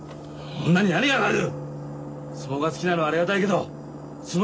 女に何が分かる！